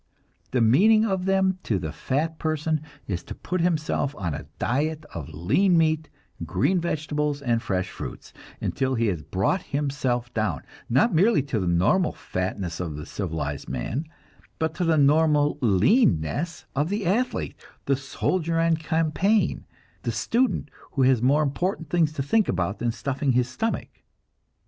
The meaning of them to the fat person is to put himself on a diet of lean meat, green vegetables and fresh fruits, until he has brought himself down, not merely to the normal fatness of the civilized man, but to the normal leanness of the athlete, the soldier on campaign, and the student who has more important things to think about than stuffing his stomach.